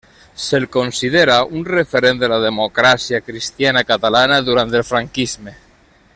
Se'l considera un referent de la democràcia cristiana catalana durant el franquisme.